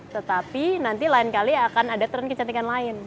tetapi nanti lain kali akan ada tren kecantikan lain